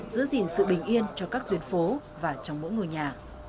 giữ gìn sự bình yên cho các tuyến phố và trong mỗi ngôi nhà